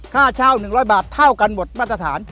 ค่าเช่า๑๐๐บาทเท่ากันหมดมาตรฐาน